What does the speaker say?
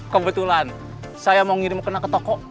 kebetulan saya mau ngirim kena ke toko